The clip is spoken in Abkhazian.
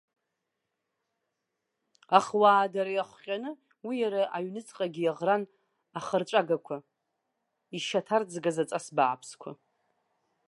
Ахуаадара иахҟьаны, уи иара аҩныҵҟагьы иаӷран ахырҵәагақәа, ишьаҭарӡгаз аҵас бааԥсқәа.